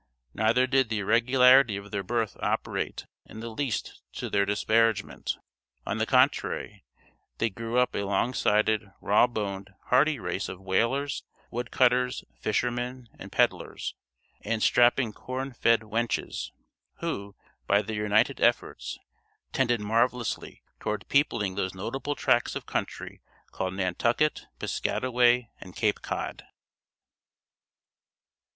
Neither did the irregularity of their birth operate in the least to their disparagement. On the contrary, they grew up a long sided, raw boned, hardy race of whalers, wood cutters, fishermen, and pedlars, and strapping corn fed wenches, who, by their united efforts, tended marvelously toward peopling those notable tracts of country called Nantucket, Piscataway, and Cape Cod.